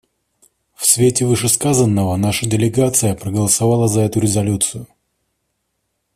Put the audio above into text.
В свете вышесказанного наша делегация проголосовала за эту резолюцию.